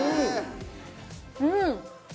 うん！